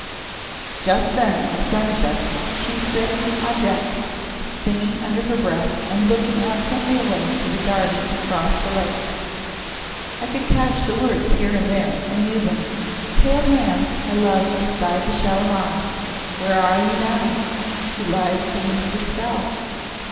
Just then, in the sunset, she was sitting on deck, singing under her breath and looking absently away to the Gardens across the Lake. I could catch the words here and there, and knew them. "Pale hands I loved beside the Shalimar, Where are you now who lies beneath your spell?